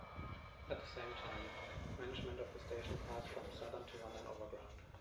At the same time, management of the station passed from Southern to London Overground.